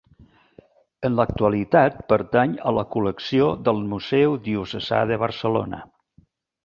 En l'actualitat pertany a la col·lecció del Museu Diocesà de Barcelona.